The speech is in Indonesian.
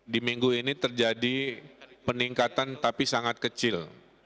di minggu ini terjadi peningkatan tapi sangat kecil